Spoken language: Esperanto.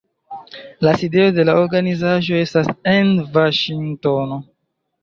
La sidejo de la organizaĵo estas en Vaŝingtono.